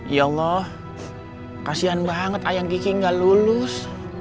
ya allah kasihan banget ayang kiki gak lulus